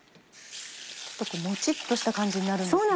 もちっとした感じになるんですね。